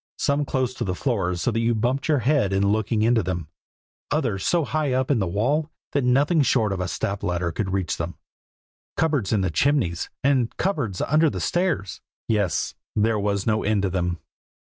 Some close to the floor so that you bumped your head in looking into them, others so high up in the wall that nothing short of a step ladder could reach them; cupboards in the chimneys, and cupboards under the stairs; yes, there was no end to them.